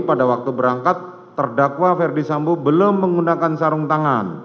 pada waktu berangkat terdakwa ferdi sambo belum menggunakan sarung tangan